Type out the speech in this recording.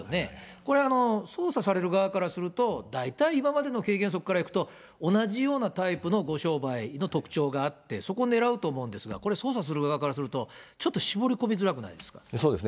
これ、捜査される側からすると、大体、今までの経験則からいくと、同じようなタイプのご商売の特徴があって、そこを狙うと思うんですが、これ、捜査する側からするとちょっと絞り込みづらくないですか。